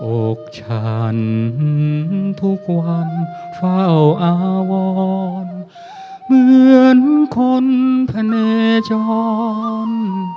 อกฉันทุกวันเฝ้าอาวรเหมือนคนธเนจร